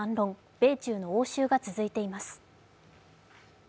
米中の応酬が続いています。